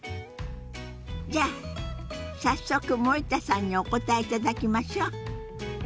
じゃあ早速森田さんにお答えいただきましょう。